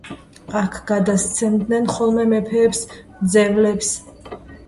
აქ გადასცემდნენ ხოლმე მეფეებს მძევლებს.